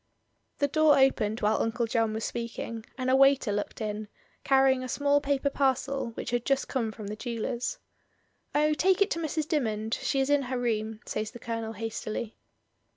The door opened while Uncle John was speak ing, and a waiter looked in, carrying a small paper parcel, which had just come from the jeweller's. "Oh, take it to Mrs. Dymond, she is in her room," says the Colonel hastily.